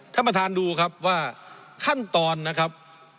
ท่านประธานดูครับว่าขั้นตอนนะครับ